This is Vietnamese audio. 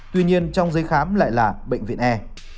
tuy nhiên trong giấy khám lại là bệnh viện e